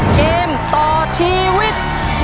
เกมต่อชีวิต